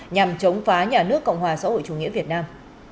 nhằm chống phá nhà nước cộng hòa xã hội chủ nghĩa việt nam